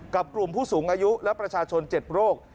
กลุ่มผู้สูงอายุและประชาชน๗โรค